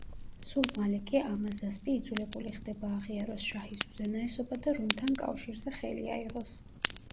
სულ მალე კი ამაზასპი იძულებული ხდება აღიაროს შაჰის უზენაესობა და რომთან კავშირზე ხელი აიღოს.